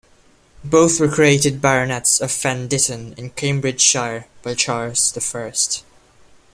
Both were created baronets of Fen Ditton in Cambridgeshire by Charles the First.